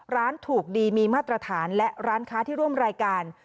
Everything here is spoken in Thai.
ร้านถูกดีมีมาตรฐานและร้านค้าที่ร่วมรายการ